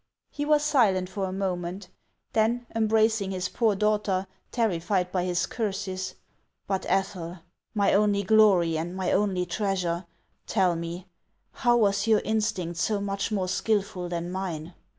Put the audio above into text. " He was silent for a moment ; then, embracing his poor daughter, terrified by his curses :" But Ethel, my only glory and my only treasure, tell me, how was your instinct so much more skilful than mine